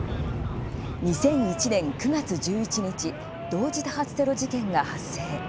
２００１年９月１１日同時多発テロ事件が発生。